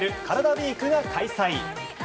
ＷＥＥＫを開催。